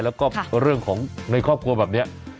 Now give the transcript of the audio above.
แล้วก็เรื่องของในครอบครัวแบบนี้